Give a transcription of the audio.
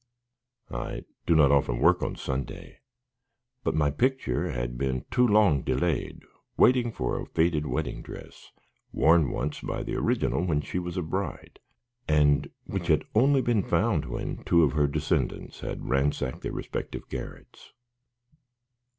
I do not often work on Sunday, but my picture had been too long delayed waiting for a faded wedding dress worn once by the original when she was a bride, and which had only been found when two of her descendants had ransacked their respective garrets.